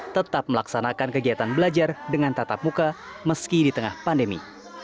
tetap melaksanakan kegiatan belajar dengan tatap muka meski di tengah pandemi